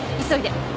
急いで。